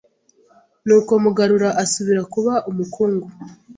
Nuko Mugarura asubira kuba umukungu,